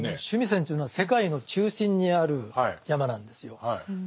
須弥山というのは世界の中心にある山なんですよ。